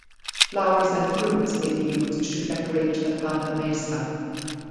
Flowers and fruits may be used to decorate the pampa mesa.